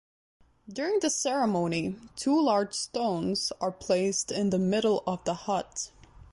During the ceremony two large stones are placed in the middle of the hut.